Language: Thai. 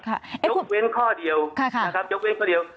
ยกเว้นข้อเดียวยกเว้นข้อเดียว